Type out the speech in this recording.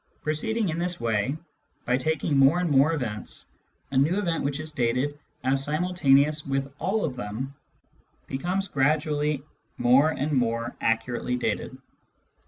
Proceed ing in this way, by taking more Q and more events, a new event which is dated as simultaneous with all of them becomes gradu ally more and more accurately dated.